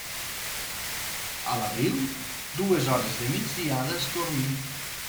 A l'abril, dues hores de migdiada és dormir.